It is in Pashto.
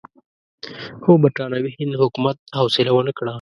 خو برټانوي هند حکومت حوصله ونه کړه.